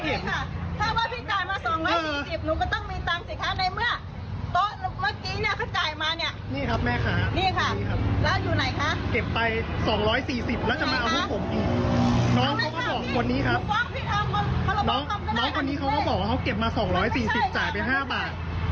น้องพี่เค้าก็บอกว่าเขาเก็บมาสองร้อยสี่สิบจ่ายไปห้าบาท